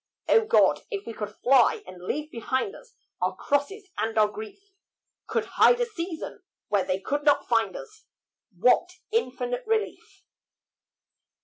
O God! if we could fly and leave behind us Our crosses and our grief, Could hide a season where they could not find us, What infinite relief.